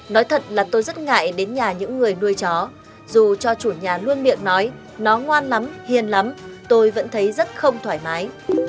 nói thật là tôi rất ngại đến nhà những người nuôi chó dù cho chủ nhà luôn miệng nói nó ngoan lắm hiền lắm tôi vẫn thấy rất không thoải mái